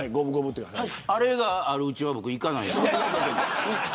これがあるうちは僕は行かないです。